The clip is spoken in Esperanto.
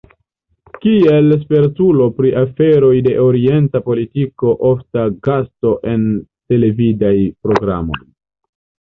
Kiel spertulo pri aferoj de orienta politiko ofta gasto en televidaj programoj.